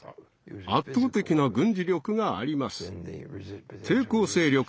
圧倒的な軍事力があります。